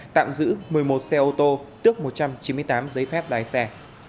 tạm giữ một mươi một xe ô tô tước một trăm chín mươi tám giấy phép lái xe